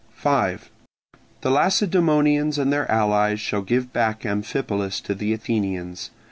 5. The Lacedaemonians and their allies shall give back Amphipolis to the Athenians.